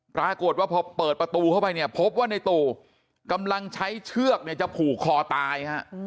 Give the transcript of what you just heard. ปรากฏว่าพอเปิดประตูเข้าไปเนี่ยพบว่าในตู่กำลังใช้เชือกเนี่ยจะผูกคอตายฮะ